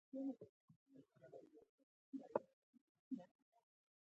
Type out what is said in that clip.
لیسټرډ وویل چې نورې خبرې لا پاتې دي.